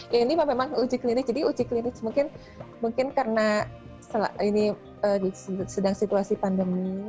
ya ini memang uji klinik jadi uji klinis mungkin karena ini sedang situasi pandemi